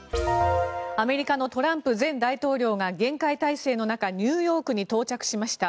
アメリカのトランプ前大統領が厳戒態勢の中ニューヨークに到着しました。